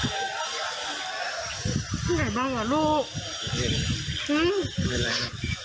สวัสดีสวัสดี